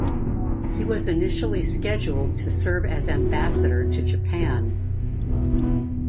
He was initially scheduled to serve as Ambassador to Japan.